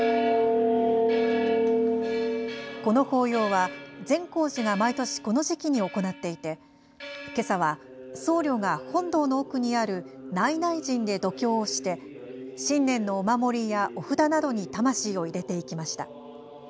この法要は善光寺が毎年、この時期に行っていてけさは僧侶が本堂の奥にある内々陣で読経をして新年のお守りやお札などに魂を入れていきました。